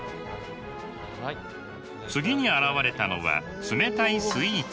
次に現れたのは冷たいスイーツ。